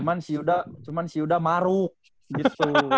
cuman si yuda cuman si yuda maruk gitu